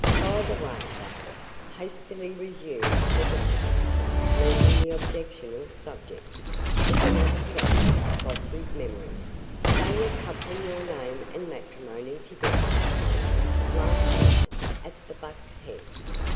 By the way, though," hastily resumed the justice, leaving the objectionable subject, as another flashed across his memory, "they were coupling your name and matrimony together, Carlyle, last night, at the Buck's Head."